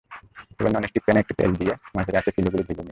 এবার ননস্টিক প্যানে একটু একটু তেল দিয়ে মাঝারি আঁচে ফিলেগুলো ভেজে নিন।